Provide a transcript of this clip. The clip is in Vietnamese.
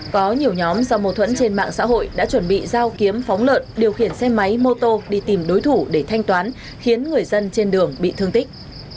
có nhiều nhóm do mâu thuẫn trên mạng xã hội đã chuẩn bị giao kiếm phóng lợn điều khiển xe máy mô tô đi tìm đối thủ để thanh toán khiến người dân trên đường bị thương tích